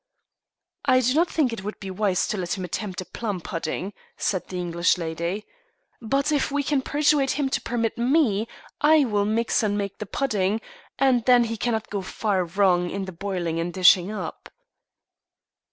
"I do not think it would be wise to let him attempt a plum pudding," said the English lady. "But if we can persuade him to permit me I will mix and make the pudding, and then he cannot go far wrong in the boiling and dishing up."